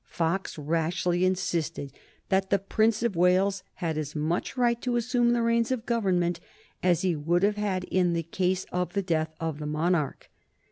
Fox rashly insisted that the Prince of Wales had as much right to assume the reins of government as he would have had in the case of the death of the monarch.